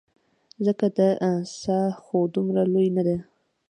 ځکه دا څاه خو دومره لویه نه ده.